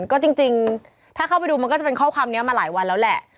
ก็จริงถ้าเข้าไปดูมันก็จะเป็นข้อความนี้มาหลายวันแล้วแหละ